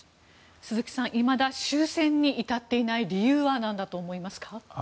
鈴木さん、いまだ終戦に至っていない理由は何だと思いますか？